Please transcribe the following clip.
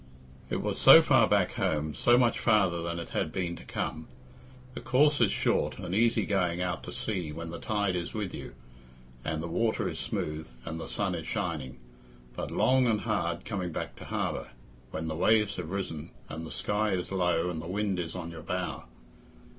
It was so far back home, so much farther than it had been to come. The course is short and easy going out to sea when the tide is with you, and the water is smooth, and the sun is shining, but long and hard coming back to harbour, when the waves have risen, and the sky is low, and the wind is on your bow.